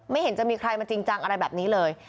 เห็นจะมีใครมาจริงจังอะไรแบบนี้เลย